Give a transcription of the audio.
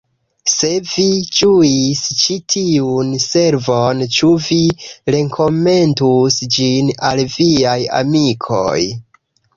"Se vi ĝuis ĉi tiun servon ĉu vi rekomendus ĝin al viaj amikoj!